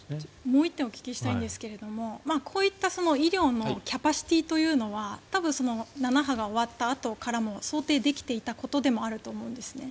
もう１点お聞きしたいんですがこういった医療のキャパシティーは多分、７派が終わったあとからも想定できていたことでもあると思うんですね。